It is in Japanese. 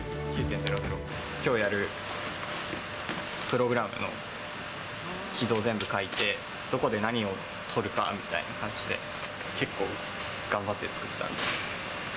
きょうやるプログラムの軌道を全部書いて、どこで何を撮るかみたいな感じで、結構、頑張って作ったんです。